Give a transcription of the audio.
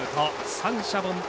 三者凡退。